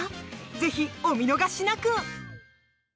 ぜひお見逃しなく！